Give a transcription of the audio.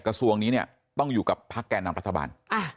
กระทรวงนี้เนี่ยต้องอยู่กับพักแก่นำรัฐบาล